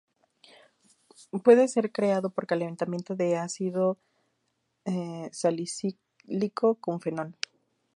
Puede ser creado por calentamiento de ácido salicílico con fenol.